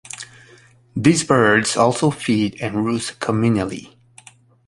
These birds also feed and roost communally.